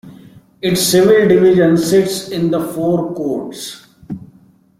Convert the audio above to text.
Its civil division sits in the Four Courts.